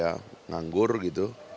yang menganggur gitu